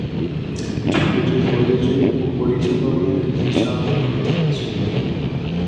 ছবিটির প্রযোজক ও পরিচালক হলেন বিশাল ভরদ্বাজ।